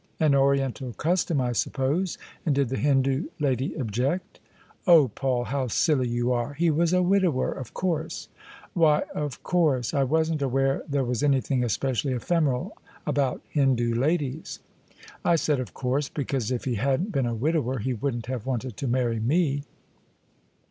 "An Oriental custom, I suppose. And did the Hindoo lady object?" " Oh, Paul, how silly you are! He was a widower, of course." " Why ' of course '? I wasn't aware there was anything especially ephemeral about Hindoo ladies." " I said * of course,' because if he hadn't been a widower he wouldn't have wanted to marry me."